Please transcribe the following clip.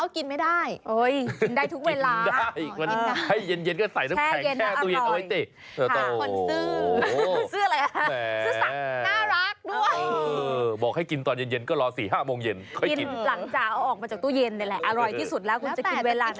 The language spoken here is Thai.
คือเช้ากินไม่ได้